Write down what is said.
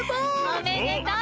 おめでとう！